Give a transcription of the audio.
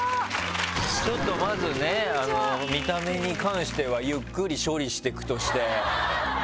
ちょっとまずね見た目に関してはゆっくり処理していくとして。